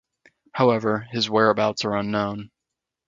However, his whereabouts are unknown.